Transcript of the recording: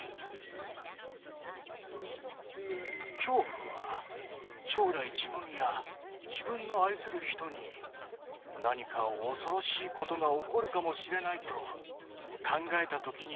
恐怖は将来自分や自分の愛する人に何か恐ろしいことが起こるかもしれないと考えた時に生じるものです。